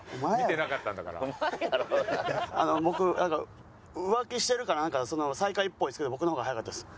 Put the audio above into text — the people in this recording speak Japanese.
僕浮気してるかなんか最下位っぽいですけど僕の方が速かったです。